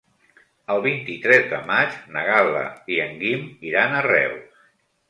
El vint-i-tres de maig na Gal·la i en Guim iran a Reus.